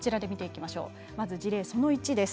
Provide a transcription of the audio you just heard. まず事例その１です。